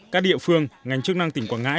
các địa phương ngành chức năng tỉnh quảng ngãi